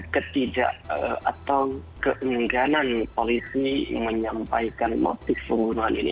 ketidak atau keengganan polisi menyampaikan motif pembunuhan ini